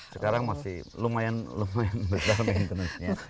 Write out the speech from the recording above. sekarang masih lumayan besar maintenancenya